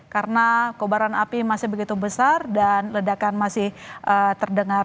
karena keubaran api masih begitu besar dan ledakan masih terdengar